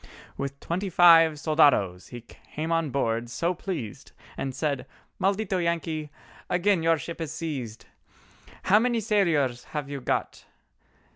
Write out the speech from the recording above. With twenty five soldados he came on board so pleased And said: "Maldito Yankee—again your ship is seized. How many sailors have you got?"